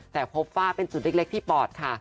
แต่พบว่าเป็นจุดเล็กที่ปอดค่ะ